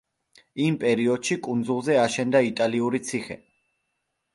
იმ პერიოდში კუნძულზე აშენდა იტალიური ციხე.